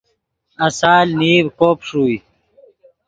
آسال نیڤ کوب ݰوئے